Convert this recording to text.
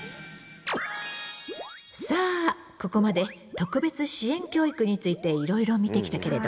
さあここまで特別支援教育についていろいろ見てきたけれど。